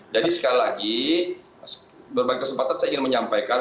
jadi sekali lagi berbagai kesempatan saya ingin menyampaikan